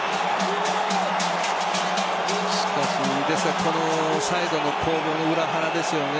このサイドの攻防の裏腹ですよね。